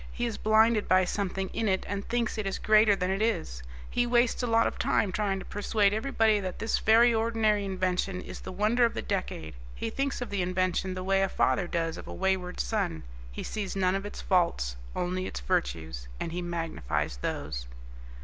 He is blinded by something in it and thinks it is greater than it is. He wastes a lot of time trying to persuade everybody that this very ordinary invention is the wonder of the decade. He thinks of the invention the way a father does of a wayward son he sees none of its faults, only its virtues, and he magnifies those."